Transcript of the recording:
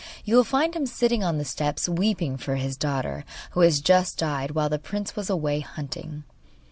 You will find him sitting on the steps weeping for his daughter, who has just died while the prince was away hunting.